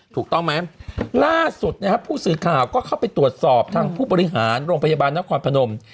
ถูกต้องไหมล่าสุดนะครับผู้สื่อข่าวก็เข้าไปตรวจสอบทางผู้บริหารโรงพยาบาลนครพนม